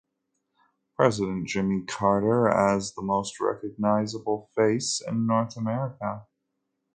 President Jimmy Carter as the most recognizable face in North America.